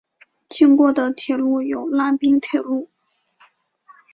经过的铁路有拉滨铁路。